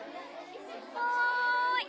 はい！